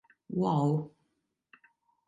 Wall.